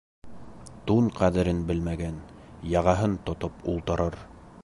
Тун ҡәҙерен белмәгән яғаһын тотоп ултырыр.